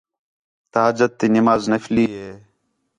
تہجد تی نماز نفلی ہِے